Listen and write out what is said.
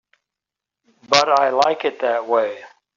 But I like it that way.